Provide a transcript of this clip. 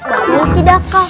pak d tidak kak